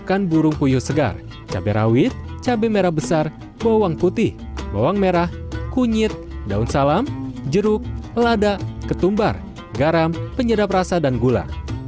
makan burung puyuh segar cabai rawit cabai merah besar bawang putih bawang merah kunyit daun salam jeruk lada ketumbar garam penyedap rasa dan gula